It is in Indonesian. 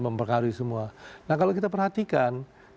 mempengaruhi semua nah kalau kita perhatikan